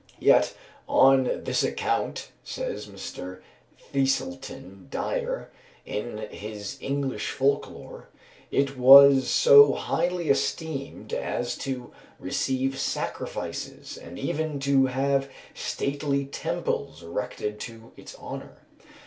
Yet, "on this account," says Mr. Thiselton Dyer, in his "English Folk lore," "it was so highly esteemed as to receive sacrifices, and even to have stately temples erected to its honour.